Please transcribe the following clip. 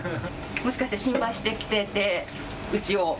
もしかして心配して、うちを？